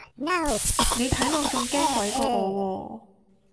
你睇落仲驚鬼過我喎